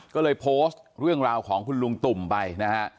ก็เลยโพสต์เรื่องราวของคุณลุงตุ่มไปนะฮะ